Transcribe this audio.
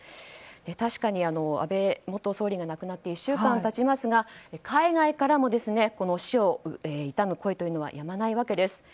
確かに安倍元総理が亡くなって１週間経ちますが海外からも死を悼む声というのはやまないわけです。